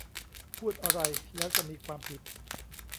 พูดอะไรแล้วจะมีความผิด